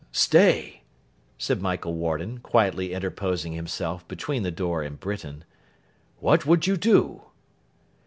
'Stay!' said Michael Warden, quietly interposing himself between the door and Britain. 'What would you do?